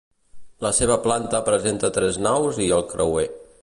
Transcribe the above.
La seva planta presenta tres naus i el creuer.